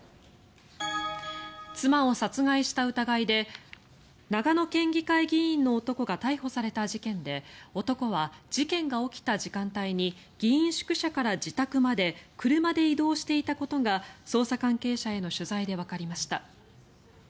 妻を殺害した疑いで長野県議会議員の男が逮捕された事件で男は事件が起きた時間帯に議員宿舎から自宅まで車で移動していたことが捜査関係者への取材でわかりました。